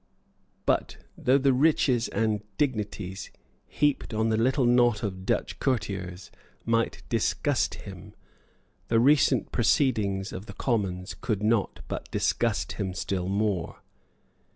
But, though the riches and dignities heaped on the little knot of Dutch courtiers might disgust him, the recent proceedings of the Commons could not but disgust him still more.